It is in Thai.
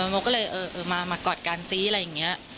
โมก็เลยเออมากอดกันซิอะไรอย่างนี้